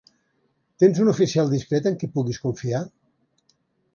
Tens un oficial discret en qui puguis confiar?